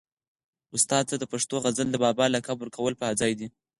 استاد ته د پښتو د غزل د بابا لقب ورکول په ځای دي.